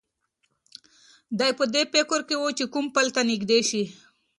دی په دې فکر کې و چې کوم پل ته نږدې شي.